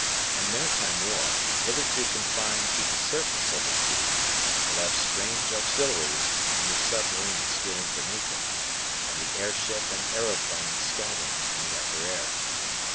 And maritime war, hitherto confined to the surface of the sea, will have strange auxiliaries in the submarine stealing beneath it, and the airship and aeroplane scouting in the upper air.